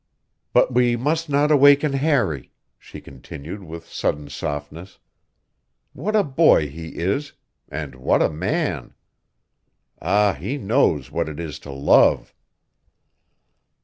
"But we must not awaken Harry," she continued with sudden softness. "What a boy he is and what a man! Ah, he knows what it is to love!"